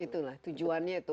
itu lah tujuannya itu